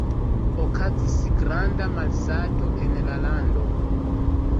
Okazis granda malsato en la lando.